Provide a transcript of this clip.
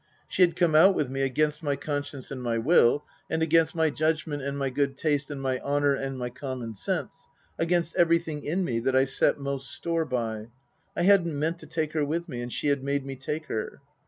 She had come out with me against my conscience and my will, and against my judg ment and my good taste and my honour and my common sense, against everything in me that I set most store by. I hadn't meant to take her with me, and she had made me take her.